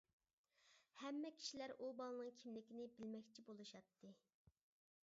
ھەممە كىشىلەر ئۇ بالىنىڭ كىملىكىنى بىلمەكچى بولۇشاتتى.